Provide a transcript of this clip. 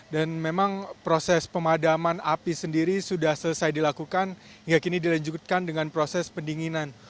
dan memang proses pemadaman api sendiri sudah selesai dilakukan hingga kini dilanjutkan dengan proses pendinginan